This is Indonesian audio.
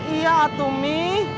iya tuh mi